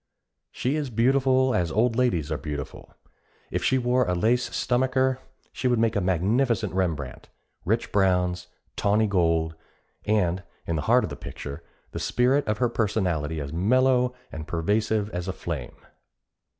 She is beautiful as old ladies are beautiful. If she wore a lace stomacher, she would make a magnificent Rembrandt rich browns, tawny gold, and, in the heart of the picture, the spirit of her personality as mellow and pervasive as a flame.